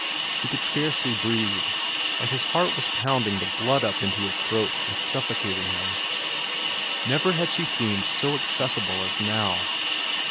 He could scarcely breathe, and his heart was pounding the blood up into his throat and suffocating him. Never had she seemed so accessible as now.